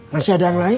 masih ada yang lain